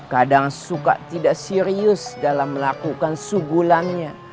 kadang suka tidak serius dalam melakukan sugulangnya